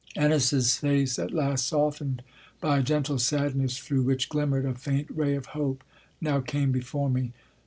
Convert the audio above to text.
Ennis s face, at last softened by a gentle sadness through which glimmered a faint ray of hope, now came before me.